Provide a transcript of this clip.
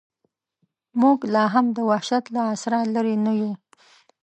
موږ لا هم د وحشت له عصره لرې نه یو.